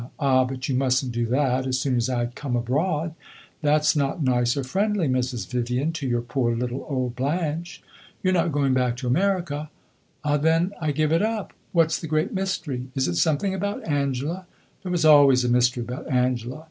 Ah, but you must n't do that, as soon as I come abroad; that 's not nice or friendly, Mrs. Vivian, to your poor little old Blanche. You are not going back to America? Ah, then, I give it up! What 's the great mystery? Is it something about Angela? There was always a mystery about Angela.